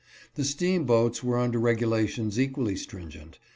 The steamboats were under regulations equally stringent.